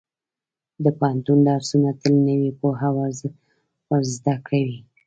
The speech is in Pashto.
د پوهنتون درسونه تل نوې پوهه ورزده کوي.